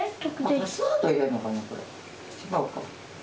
違うか。